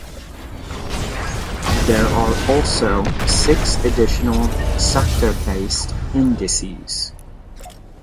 There are also six additional sector-based indices.